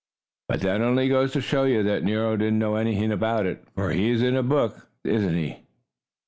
But that only goes to show that Nero didn't know anything about it. For he is in a book, isn't he?